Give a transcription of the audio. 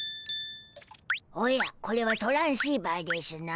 おやこれはトランシーバーでしゅな。